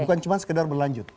bukan cuma sekedar berlanjut